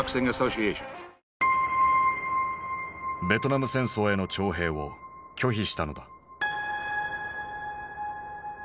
ベトナム戦争への徴兵を拒否したのだ。